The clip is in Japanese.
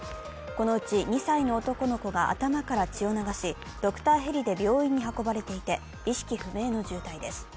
このうち２歳の男の子が頭から血を流し、ドクターへりで病院に運ばれていて意識不明の重体です。